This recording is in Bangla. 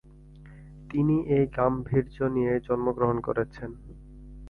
তিনি এই গাম্ভীর্য নিয়েই জন্মগ্রহণ করেছেন।